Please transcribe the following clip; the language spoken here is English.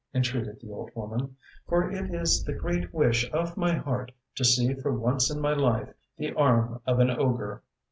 ŌĆØ entreated the old woman; ŌĆ£for it is the great wish of my heart to see for once in my life the arm of an ogre!